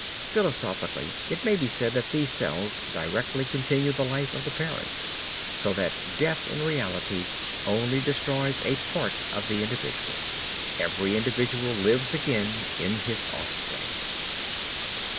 Philosophically it may be said that these cells directly continue the life of the parents, so that death in reality only destroys a part of the individual. Every individual lives again in his offspring.